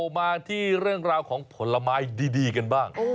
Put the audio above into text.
มาที่เรื่องราวของผลไม้ดีกันบ้าง